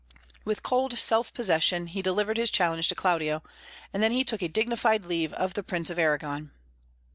With cold self possession he delivered his challenge to Claudio, and then he took a dignified leave of the Prince of Arragon.